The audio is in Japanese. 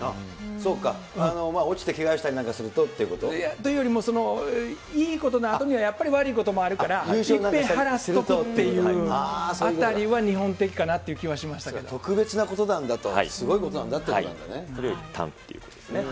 そうか、落ちてけがしたりなんかするとって。というよりも、いいことのあとにはやっぱり悪いこともあるから、いっぺんはらっとこうというあたりは日本的かなという気はしまし特別なことなんだと、すごいいったんということですね。